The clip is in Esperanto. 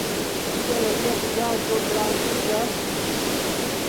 Kiel lia vizaĝo blankiĝas?